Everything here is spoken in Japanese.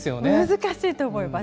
難しいと思います。